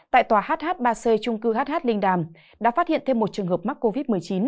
tại tòa hh ba c trung cư hh linh đàm đã phát hiện thêm một trường hợp mắc covid một mươi chín